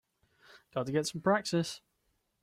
Got to get some practice.